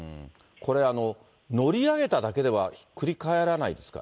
これ、乗り上げただけではひっくり返らないですか。